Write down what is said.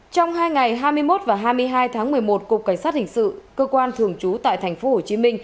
trong hai ngày hai mươi một và hai mươi hai tháng một mươi một cục cảnh sát hình sự cơ quan thường trú tại tp hcm